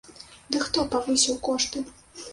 Дык хто павысіў кошты?